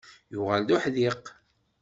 Yuɣal d uḥdiq.